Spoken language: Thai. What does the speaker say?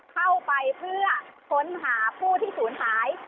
เข้าไปเพื่อค้นหาผู้ที่ศูนย์หาย